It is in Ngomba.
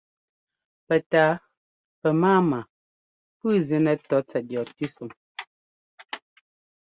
Pɛtǎa pɛmáama pʉ́ʉ zínɛ́ tɔ́ tsɛt yɔ tʉ́sɔŋ.